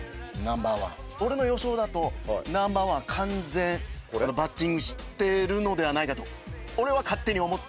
俺の予想だとナンバーワン完全バッティングしてるのではないかと俺は勝手に思っていた。